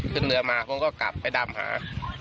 ขึ้นเรือมาผมก็กลับไปดำหา